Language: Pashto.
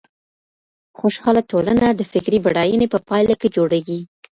خوشحاله ټولنه د فکري بډاينې په پايله کي جوړېږي.